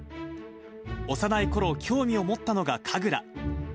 幼いころ、興味を持ったのが神楽。